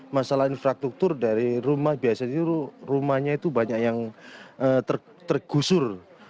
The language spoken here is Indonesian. masalah infrastruktur dari rumah biasanya rumahnya itu banyak yang tergusur